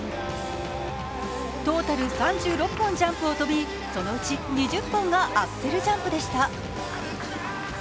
トータル３６本ジャンプを跳び、そのうち２０本がアクセルジャンプでした。